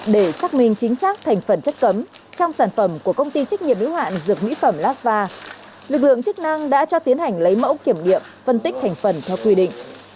để xác minh chính xác thành phần chất cấm trong sản phẩm của công ty trách nhiệm yếu hạn dược mỹ phẩm lasva lực lượng chức năng đã cho tiến hành lấy mẫu kiểm nghiệm phân tích thành phần theo quy định